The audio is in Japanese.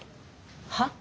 はっ？